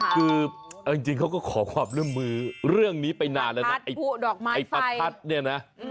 คือเอาจริงเขาก็ขอความร่วมมือเรื่องนี้ไปนานแล้วนะไอ้ประทัดเนี่ยนะ